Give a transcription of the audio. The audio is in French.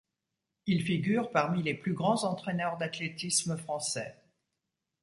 Il figure parmi les plus grands entraîneurs d'athlétisme français.